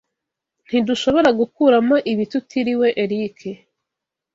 Ntidushobora gukuramo ibi tutiriwe Eric.